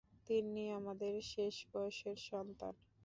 তিন্নি আমাদের শেষ বয়সের সন্তান।